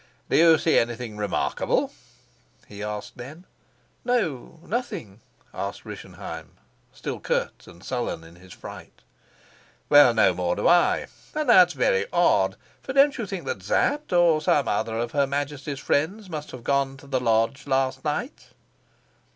"Do you see anything remarkable?" he asked then. "No, nothing," answered Rischenheim, still curt and sullen in his fright. "Well, no more do I. And that's very odd. For don't you think that Sapt or some other of her Majesty's friends must have gone to the lodge last night?"